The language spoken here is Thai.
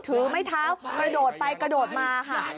ถือไม้เท้ากระโดดไปกระโดดมาค่ะ